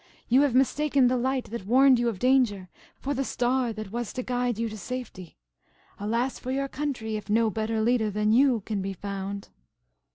You have mistaken the light that warned you of danger for the star that was to guide you to safety. Alas for your country, if no better leader than you can be found!"